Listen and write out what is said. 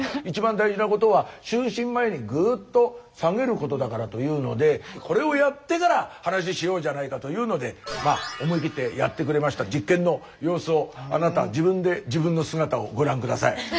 いちばん大事なことは就寝前にグーッと下げることだからというのでこれをやってから話しようじゃないかというのでまあ思い切ってやってくれました実験の様子をあなた自分で自分の姿をご覧下さい。